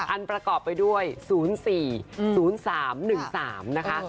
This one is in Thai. ประกอบไปด้วย๐๔๐๓๑๓นะคะ